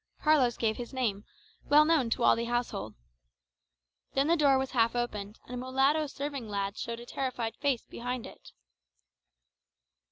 Carlos gave his name, well known to all the household. Then the door was half opened, and a mulatto serving lad showed a terrified face behind it.